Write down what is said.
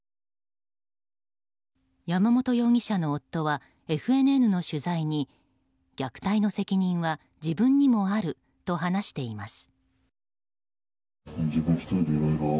山本容疑者の夫はＦＮＮの取材に虐待の責任は自分にもあると話しています。